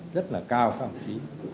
rất là cao của công chí